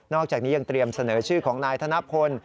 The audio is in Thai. อกจากนี้ยังเตรียมเสนอชื่อของนายธนพล